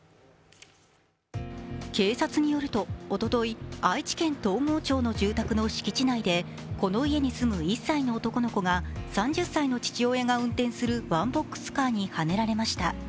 警察によるとおととい、愛知県東郷町の住宅の敷地内でこの家に住む１歳の男の子が３０歳の父親が運転するワンボックスカーにはねられました。